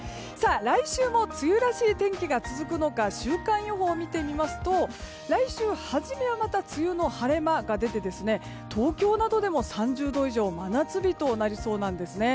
来週も梅雨らしい天気が続くのか週間予報を見てみますと来週初めは梅雨の晴れ間が出て東京などでも３０度以上真夏日となりそうです。